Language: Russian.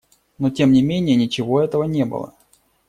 Но тем не менее ничего этого не было.